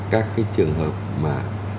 các cái trường hợp mà